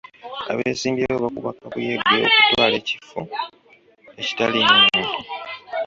Abeesimbyewo bakuba kakuyege okutwala ekifo ekitaliimu muntu.